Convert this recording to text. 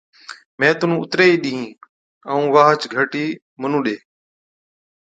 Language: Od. مين تنُون اُتري ئِي ڏِيهِين ائُون واهچ گھَرٽِي مُنُون ڏي۔